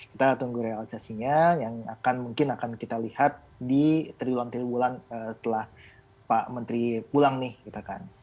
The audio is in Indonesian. kita tunggu realisasinya yang akan mungkin akan kita lihat di tribulan tribulan setelah pak menteri pulang nih gitu kan